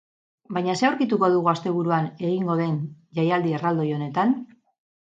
Baina zer aurkituko dugu asteburuan egingo dn jaialdi erraldoi honetan?